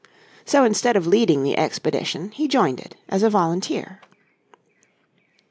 So instead of leading the expedition he joined it as a volunteer.